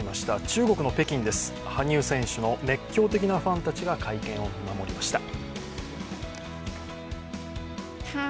中国の北京です、羽生選手の熱狂的なファンたちが会見を見守りました。